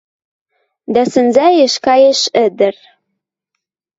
Дӓ сӹнзӓэш каеш ӹдӹр...